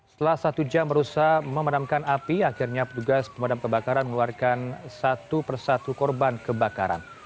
setelah satu jam berusaha memadamkan api akhirnya petugas pemadam kebakaran mengeluarkan satu persatu korban kebakaran